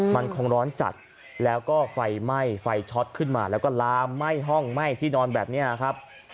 มันคงร้อนจัดแล้วก็ไฟไหม้ไฟช็อตขึ้นมาแล้วก็ลามไหม้ห้องไหม้ที่นอนแบบนี้ครับ